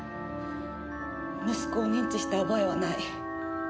息子を認知した覚えはない。